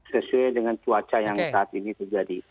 sesuai dengan cuaca yang saat ini terjadi